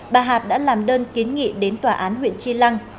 bà hạp đã làm đơn kiến nghị đến tòa án huyện chi lăng